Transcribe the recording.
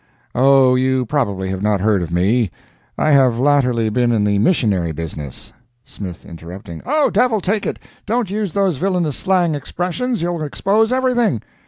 "Oh, you probably have not heard of me; I have latterly been in the missionary business— Smith, interrupting—"Oh, devil take it, don't use those villainous slang expressions—you'll expose everything."